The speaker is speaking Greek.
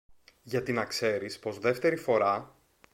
γιατί να ξέρεις πως δεύτερη φορά